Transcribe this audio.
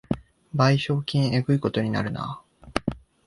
賠償金えぐいことになるな